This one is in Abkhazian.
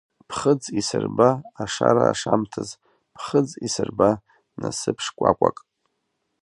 Ԥхыӡ исырба ашара ашамҭаз, ԥхыӡ исырба насыԥ шкәакәак.